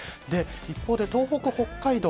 一方で、東北、北海道